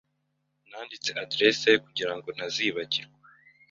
Nanditse adresse ye kugirango ntazibagirwa.